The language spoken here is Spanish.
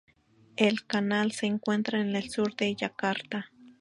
El canal se encuentra en el Sur de Yakarta.